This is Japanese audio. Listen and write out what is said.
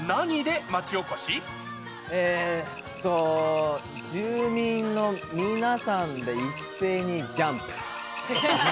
えっと、住民の皆さんで一斉にジャンプ。